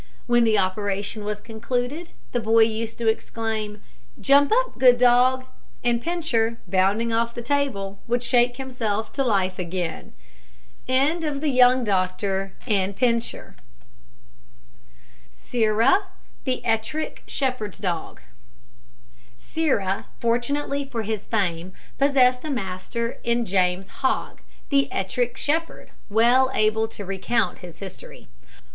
When the operation was concluded, the boy used to exclaim, "Jump up, good dog;" and Pincher, bounding off the table, would shake himself to life again. SIRRAH, THE ETTRICK SHEPHERD'S DOG. Sirrah, fortunately for his fame, possessed a master in James Hogg, the Ettrick Shepherd, well able to recount his history.